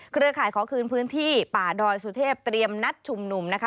เครือข่ายขอคืนพื้นที่ป่าดอยสุเทพเตรียมนัดชุมนุมนะคะ